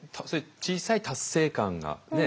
小さい達成感がね